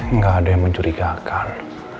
enggak ada yang mencurigakan